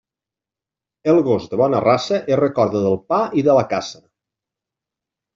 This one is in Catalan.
El gos de bona raça es recorda del pa i de la caça.